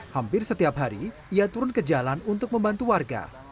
hampir setiap hari ia turun ke jalan untuk membantu warga